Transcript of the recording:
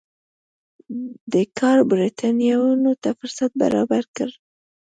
دې کار برېټانویانو ته فرصت برابر کړ.